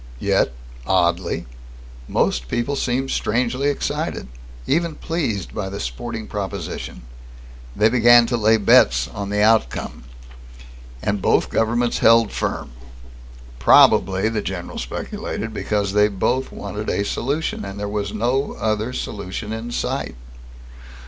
Yet, oddly, most people seemed strangely excited, even pleased by the sporting proposition. They began to lay bets on the outcome. And both governments held firm. Probably, the general speculated, because they both wanted a solution and there was no other solution in sight.